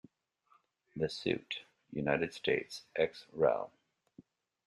The suit, United States ex rel.